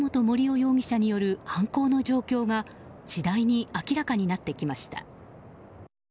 容疑者による犯行の状況が次第に明らかになってきました。